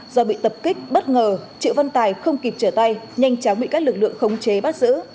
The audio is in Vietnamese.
do bị tập kích bất ngờ triệu văn tài không kịp trở tay nhanh chóng bị các lực lượng khống chế bắt giữ